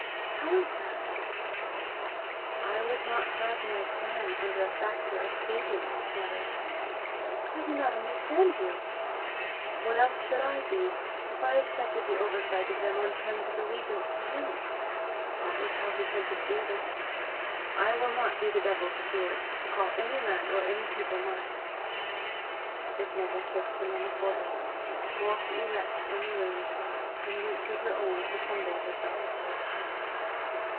"How is that?" "I would not have my clan under a factor of Satan's, mother!" "I do not understand you!" "What else should I be, if I accepted the oversight of them on terms of allegiance to him! That was how he tempted Jesus. I will not be the devil's steward, to call any land or any people mine!" His mother kissed him on the forehead, walked erect from the room, and went to her own to humble herself afresh.